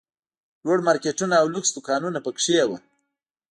لوړ مارکېټونه او لوکس دوکانونه پکښې وو.